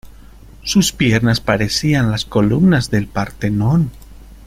Sus piernas parecían las columnas del Partenón.